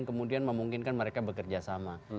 kemudian memungkinkan mereka bekerja sama